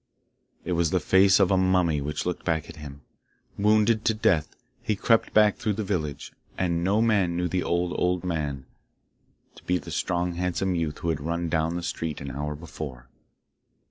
It was the face of a mummy which looked back at him. Wounded to death, he crept back through the village, and no man knew the old, old man to be the strong handsome youth who had run down the street an hour before.